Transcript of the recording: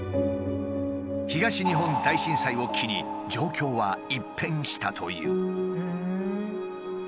東日本大震災を機に状況は一変したという。